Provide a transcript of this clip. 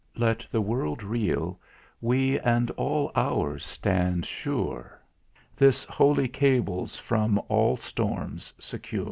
Let the world reel, we and all ours stand sure, This holy cable's from all storms secure.